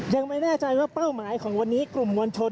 ยังไม่แน่ใจว่าเป้าหมายของวันนี้กลุ่มมวลชน